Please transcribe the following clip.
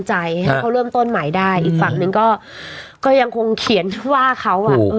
จิตตี้ได้อ่านข่าวละค่ะ